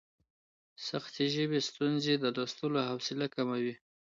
سختې ژبې ستونزې د لوستلو حوصله کموي.